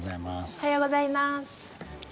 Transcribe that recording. おはようございます。